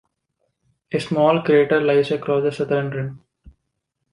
A small crater lies across the southern rim.